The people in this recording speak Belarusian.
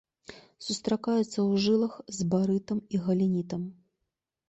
Сустракаецца ў жылах з барытам і галенітам.